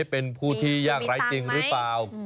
เป็นผู้ที่ยากไร้จริงหรือเปล่า